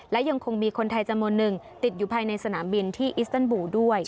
และยังคงมีคนไทยจำนวนหนึ่งติดอยู่ภายในสนามบินที่อิสเตอร์บูด้วย